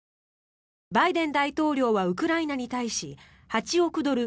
バイデン大統領はウクライナに対し８億ドル